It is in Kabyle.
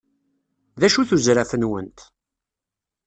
D acu-t uzraf-nwent?